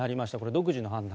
独自の判断